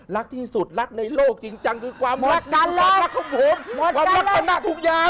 รักที่สุดรักในโลกจริงจังคือความรัก